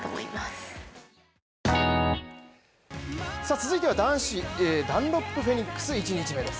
続いては男子ダンロップフェニックス１日目です。